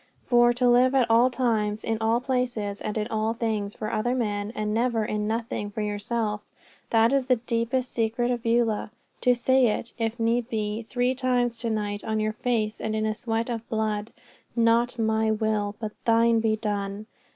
For, to live at all times, in all places, and in all things for other men, and never and in nothing for yourself that is the deepest secret of Beulah. To say it, if need be, three times to night on your face and in a sweat of blood, "Not my will, but Thine be done!"